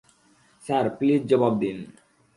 Sir, please, জবাব দিন।